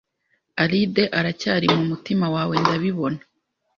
Alide aracyari mu mutima wawe ndabibona